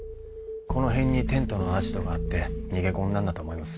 この辺にテントのアジトがあって逃げ込んだんだと思います